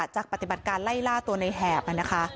ปฏิบัติการไล่ล่าตัวในแหบนะคะ